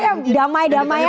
ini hanya damai damai saja